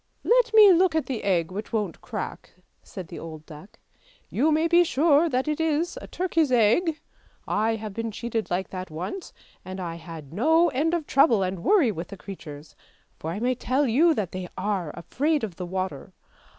" Let me look at the egg which won't crack," said the old duck. " You may be sure that it is a turkey's egg! I have been cheated like that once, and I had no end of trouble and worry with the creatures, for I may tell you that they are afraid of the water.